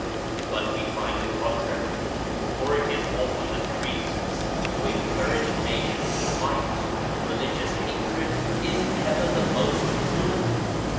But we find the contrary, for it is often the Priests who encourage Nations to fight. Religious hatred is ever the most cruel